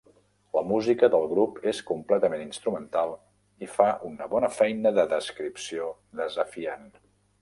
La música del grup és completament instrumental i "fa una bona feina de descripció desafiant".